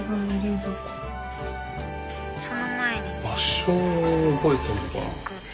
場所を覚えてるのかな？